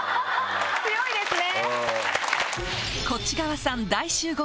強いですね！